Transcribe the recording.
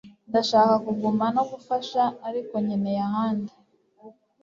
Ndashaka kuguma no gufasha ariko nkeneye ahandi